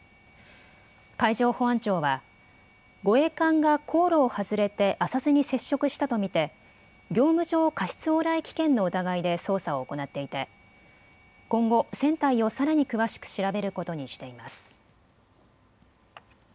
海上保安庁は護衛艦が航路を外れて浅瀬に接触したと見て業務上過失往来危険の疑いで捜査を行っていて今後、船体をさらに詳しく調べることにしています。